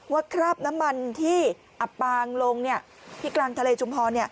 คราบน้ำมันที่อับปางลงที่กลางทะเลชุมพร